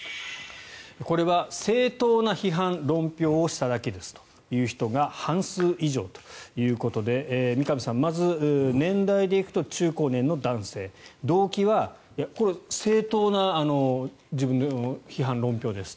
これは正当な批判・論評をしただけですという人が半数以上ということで三上さん、まず年代で行くと中高年の男性動機はこれは正当な自分の批判・論評です。